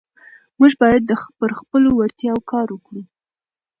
موږ باید پر خپلو وړتیاوو کار وکړو